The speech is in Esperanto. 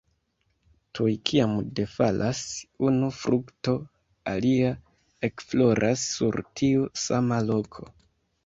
Tuj kiam defalas unu frukto, alia ekfloras sur tiu sama loko.